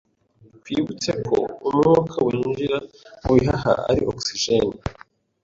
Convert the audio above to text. Twibutse ko umwuka winjira mu bihaha ari oxygene